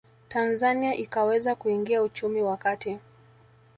Tanzania ikaweza kuingia uchumi wa kati